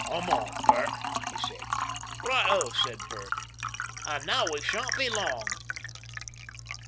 "I'm on, Bert," he said. "Right O!" said Bert, and, "Now we shan't be long."